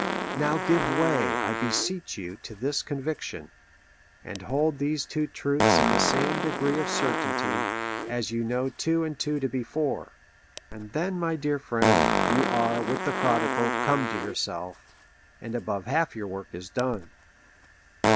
Now give wi\y, 1 beseech you, to this conviction, and hold these two truths in the same degree of certainty, as you know two and two to be four ; and then, my dear friend, you are, with the prodigal, come to yourself; and above half your work, is done.